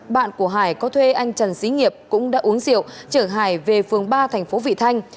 bạn của hải có thuê anh trần sĩ nghiệp cũng đã uống rượu trở hải về phường ba thành phố vị thanh